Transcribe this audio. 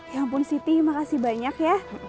ya ampun siti makasih banyak ya